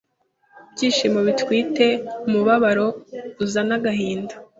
Ibyishimo bitwite Umubabaro uzane agahinda